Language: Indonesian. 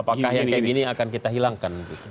apakah yang kayak gini akan kita hilangkan